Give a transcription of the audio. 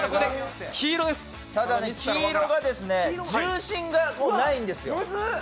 黄色が重心がないんですよ。